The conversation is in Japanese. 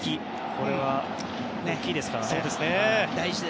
これは大きいですからね。